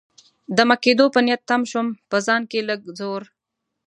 دمه کېدو په نیت تم شوم، په ځان کې له لږ زور.